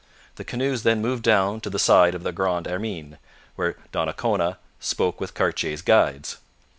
The canoes then moved down to the side of the Grande Hermine, where Donnacona spoke with Cartier's guides.